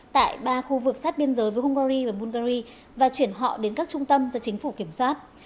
tại ba khu vực sát biên giới với hungary và bulgari và chuyển họ đến các trung tâm do chính phủ kiểm soát